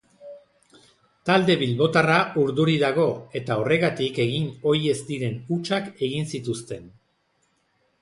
Talde bilbotarra urduri dago eta horregatik egin ohi ez diren hutsak egin zituzten.